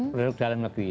produk dalam negeri